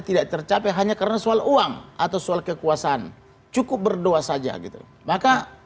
tidak tercapai hanya karena soal uang atau soal kekuasaan cukup berdoa saja gitu maka